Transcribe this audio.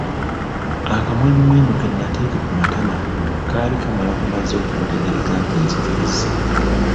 Akamwenyumwenyu ke nateeka ku matama, kaali kamala bumazi okumutegeeza nti nzikirizza.